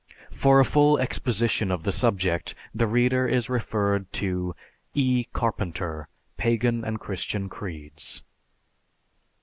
(_For a full exposition of the subject, the reader is referred to E. Carpenter, "Pagan and Christian Creeds."